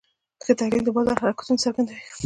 ښه تحلیل د بازار حرکتونه څرګندوي.